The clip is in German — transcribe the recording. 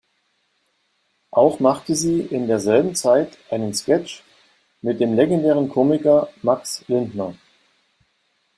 Auch machte sie in derselben Zeit einen Sketch mit dem legendären Komiker Max Linder.